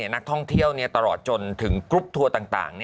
นักท่องเที่ยวตลอดจนถึงกรุ๊ปทัวร์ต่าง